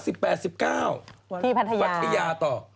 พี่พัทยาพี่พัทยาต่อ